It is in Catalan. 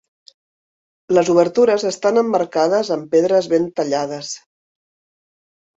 Les obertures estan emmarcades amb pedres ben tallades.